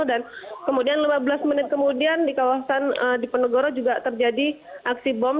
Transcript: dan kemudian lima belas menit kemudian di kawasan di penegoro juga terjadi aksi bom